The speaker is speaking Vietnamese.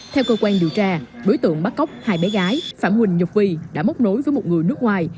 theo cơ quan điều tra đối tượng bắt cóc hai bé gái phạm huỳnh nhật vi đã móc nối với một người nước ngoài